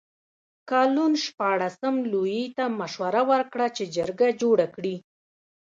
کالون شپاړسم لویي ته مشوره ورکړه چې جرګه جوړه کړي.